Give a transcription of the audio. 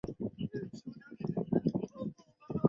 曾担任中国人工智能学会机器博弈专业委员会顾问。